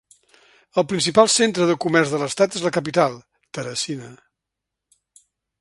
El principal centre de comerç de l'estat és la capital, Teresina.